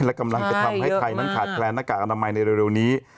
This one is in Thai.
และกำลังจะทำให้ไทยนั้นขาดแคลนหน้ากากอนามัยในเร็วนี้